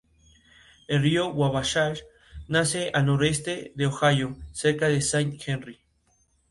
El río Wabash nace al noroeste de Ohio, cerca de Saint Henry.